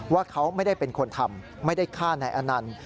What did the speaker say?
ว่าเขาไม่ได้เป็นคนทำไม่ได้ฆ่านายอนันต์